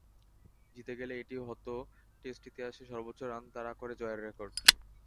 জিতে গেলে এটি হতো টেস্ট ইতিহাসে সর্বোচ্চ রান তাড়া করে জয়ের রেকর্ড।